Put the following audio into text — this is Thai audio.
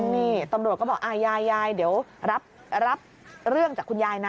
นี่ตำรวจก็บอกยายยายเดี๋ยวรับเรื่องจากคุณยายนะ